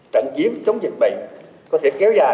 trận chiếm chống dịch bệnh có thể kéo dài